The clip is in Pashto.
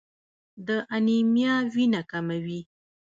د انیمیا وینه کموي.